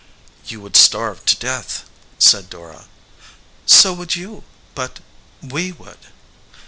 "You would starve to death," said Dora. "So would you, but we would."